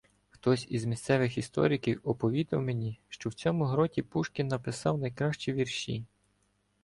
Хтось із місцевих істориків оповідав мені, що в цьому гроті Пушкін написав найкращі вірші.